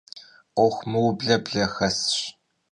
'Uexu mıuble ble xesş.